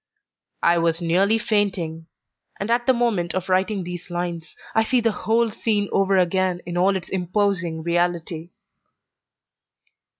I was nearly fainting, and at the moment of writing these lines I see the whole scene over again in all its imposing reality.